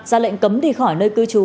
ra lệnh cấm đi khỏi nơi cư trú